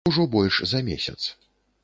Ужо больш за месяц.